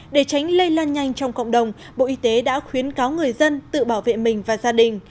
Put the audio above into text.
để tránh lây lan nhanh trong cộng đồng bộ y tế đã khuyến cáo người dân tự bảo vệ mình và gia đình